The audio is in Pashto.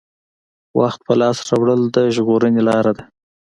وخت په لاس راوړل د ژغورنې لاره ده.